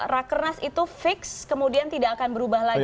rakernas itu fix kemudian tidak akan berubah lagi